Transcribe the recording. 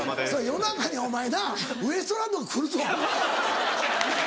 夜中にお前なウエストランドが来るとは思わへん。